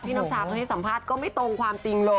น้ำชาเคยให้สัมภาษณ์ก็ไม่ตรงความจริงเลย